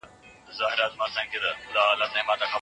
د غم سړې شپې